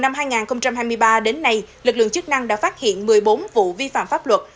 năm hai nghìn hai mươi ba đến nay lực lượng chức năng đã phát hiện một mươi bốn vụ vi phạm pháp luật